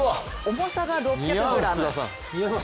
重さが６００ｇ。